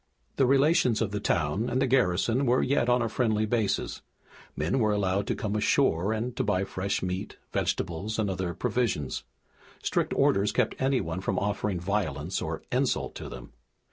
The relations of the town and the garrison were yet on a friendly basis. Men were allowed to come ashore and to buy fresh meat, vegetables, and other provisions. Strict orders kept anyone from offering violence or insult to them.